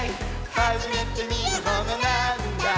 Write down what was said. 「はじめてみるものなぁーんだ？」